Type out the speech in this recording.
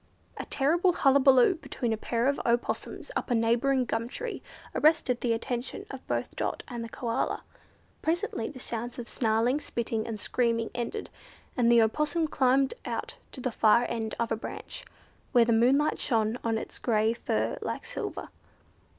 A terrible hullabaloo between a pair of Opossums up a neighbouring gum tree arrested the attention of both Dot and the Koala. Presently the sounds of snarling, spitting, and screaming ended, and an Opossum climbed out to the far end of a branch, where the moonlight shone on his grey fur like silver.